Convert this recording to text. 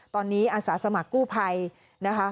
ตอนนี้อาสาสมัครกู้ภัยนะคะ